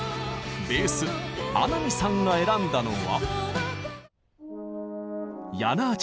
ベース穴見さんが選んだのは。